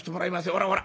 ほらほら。